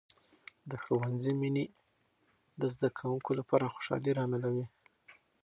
د ښوونځي مینې د زده کوونکو لپاره خوشحالي راملوي.